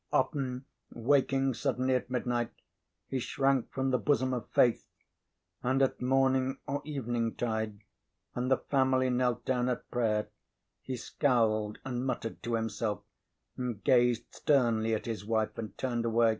Often, waking suddenly at midnight, he shrank from the bosom of Faith; and at morning or eventide, when the family knelt down at prayer, he scowled and muttered to himself, and gazed sternly at his wife, and turned away.